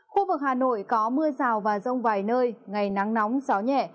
khu vực hà nội có mưa rào và rông vài nơi ngày nắng nóng gió nhẹ